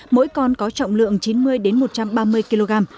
mỗi con có trọng lượng chín mươi một trăm ba mươi kg